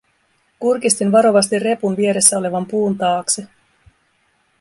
Kurkistin varovasti repun vieressä olevan puun taakse.